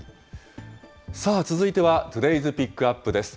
さあ、続いてはトゥデイズピックアップです。